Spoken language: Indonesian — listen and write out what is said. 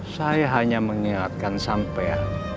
saya hanya mengingatkan sampean